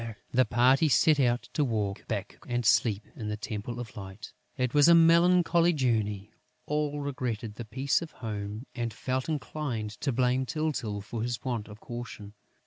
The party set out to walk back and sleep in the Temple of Light. It was a melancholy journey; all regretted the peace of home and felt inclined to blame Tyltyl for his want of caution.